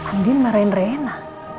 mungkin marahin rena